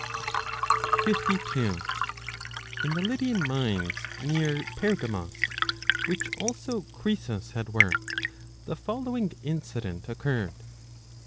52 In the Lydian mines near Pergamos, which also Croesus had worked, the following incident occurred.